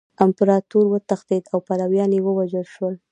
امپراطور وتښتید او پلویان یې ووژل شول.